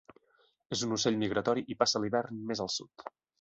És un ocell migratori i passa l'hivern més al sud.